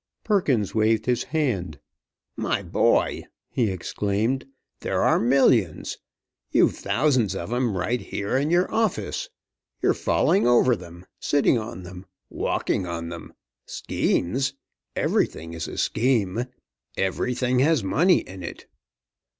Perkins waved his hand. "My boy," he exclaimed, "there are millions! You've thousands of 'em right here in your office! You're falling over them, sitting on them, walking on them! Schemes? Everything is a scheme. Everything has money in it!"